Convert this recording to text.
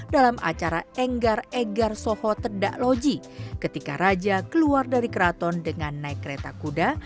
dalam acara enggar egar soho tedak loji ketika raja keluar dari keraton dengan naik kereta kuda